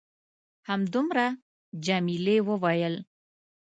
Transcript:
همدومره؟ جميلې وويل:.